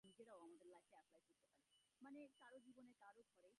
কৌতূহলবশত নলিনাক্ষ আলমারি খুলিয়া দেখিল, তাহার খড়ম-জোড়ার উপর কতকগুলি সদ্যসিক্ত ফুল রহিয়াছে।